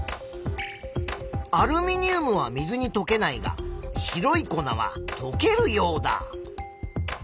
アルミニウムは水にとけないが白い粉はとけるヨウダ。